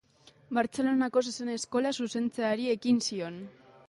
Bartzelonako Zezen-Eskola zuzentzeari ekin zion.